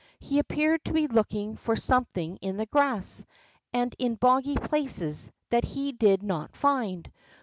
He appeared to be looking for some thing in the grass, and in boggy places, that he did not find.